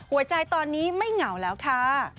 หัวใจตอนนี้ไม่เหงาแล้วค่ะ